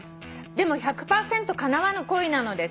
「でも１００％かなわぬ恋なのです」